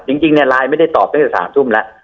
จริงเนี่ยไลน์ไม่ได้ตอบตั้งแต่๓ทุ่มแล้ว